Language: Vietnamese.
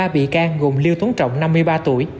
ba bị can gồm lưu tuấn trọng năm mươi ba tuổi